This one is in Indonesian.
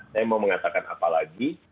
saya mau mengatakan apa lagi